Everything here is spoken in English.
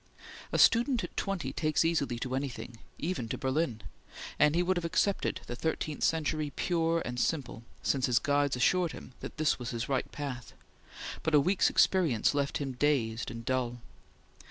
A student at twenty takes easily to anything, even to Berlin, and he would have accepted the thirteenth century pure and simple since his guides assured him that this was his right path; but a week's experience left him dazed and dull.